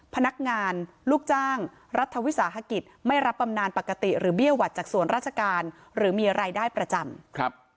พนักงานลูกจ้างรัฐวิสาหกิจไม่รับบำนานปกติหรือเบี้ยหวัดจากส่วนราชการหรือมีรายได้ประจำครับ